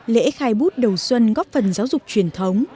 lễ khai bút đầu xuân góp phần giáo dục truyền thống